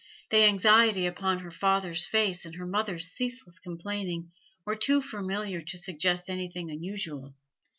The anxiety upon her father's face and her mother's ceaseless complaining were too familiar to suggest anything unusual.